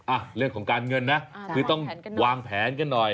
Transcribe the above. อ่ะเรื่องของการเงินนะคือต้องวางแผนกันหน่อย